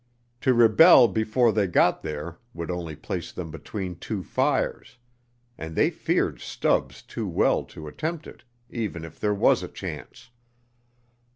To rebel before they got there would only place them between two fires, and they feared Stubbs too well to attempt it even if there was a chance.